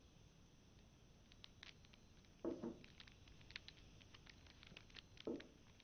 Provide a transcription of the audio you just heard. E bi kig bə tə nɔŋ ngə a məbad, ngə a mintugəlɛn, mi mvim bi ayiɛnə e vom bə atsog.